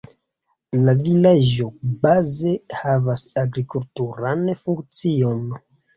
La vilaĝo baze havas agrikulturan funkcion.